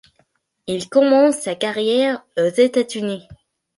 Il commence sa carrière aux États-Unis.